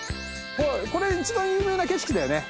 これ一番有名な景色だよね。